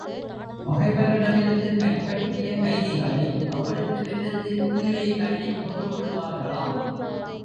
பகைவரிடமிருந்து கைப்பற்றிய கைதிகளை அவ்விடத்திலிருந்து கீழே தள்ளிக் கொன்றுவிடுவார்களாம்.